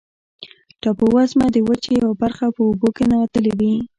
ټاپووزمه د وچې یوه برخه په اوبو کې ننوتلې وي.